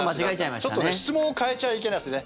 ちょっと質問を変えちゃいけないですね。